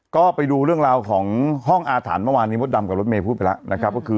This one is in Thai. ก็ไปดูเรื่องลาวของซังครับ